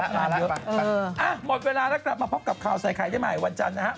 หมดเวลาแล้วกลับมาพบกับข่าวใส่ใครได้ใหม่วันจันทร์นะครับ